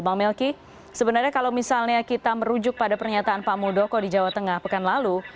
bang melki sebenarnya kalau misalnya kita merujuk pada pernyataan pak muldoko di jawa tengah pekan lalu